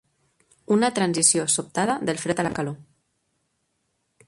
Una transició sobtada del fred a la calor.